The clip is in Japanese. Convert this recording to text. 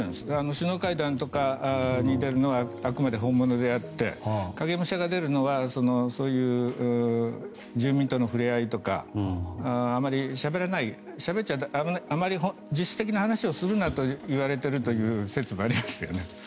首脳会談とかに出るのはあくまで本物であって影武者が出るのはそういう住民との触れ合いとかあまり実質的な話をするんじゃないといわれている説があるといわれていますね。